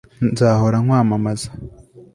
nzahora nkwamamaza